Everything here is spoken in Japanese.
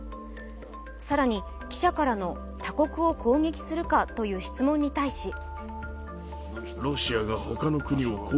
更に記者からの他国を攻撃するかという質問に対し